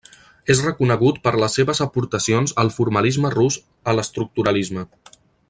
És reconegut per les seves aportacions al Formalisme rus a l'Estructuralisme.